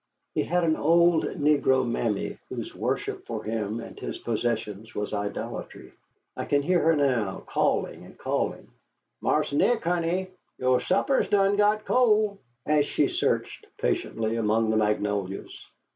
He had an old negro mammy whose worship for him and his possessions was idolatry. I can hear her now calling and calling, "Marse Nick, honey, yo' supper's done got cole," as she searched patiently among the magnolias.